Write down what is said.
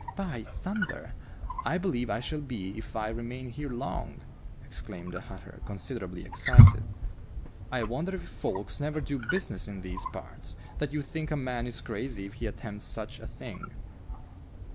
"By thunder! I believe I shall be if I remain here long," exclaimed the hatter, considerably excited. "I wonder if folks never do business in these parts, that you think a man is crazy if he attempts such a thing?"